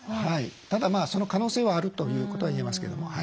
ただその可能性はあるということは言えますけども。